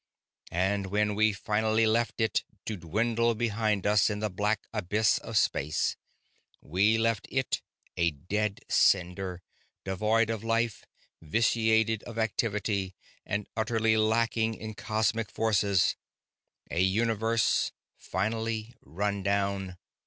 And when we finally left it to dwindle behind us in the black abysses of space, we left it, a dead cinder, devoid of life, vitiated of activity, and utterly lacking in cosmic forces, a universe finally run down.